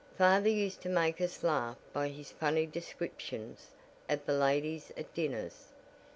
Father used to make us laugh by his funny descriptions of the ladies at dinners.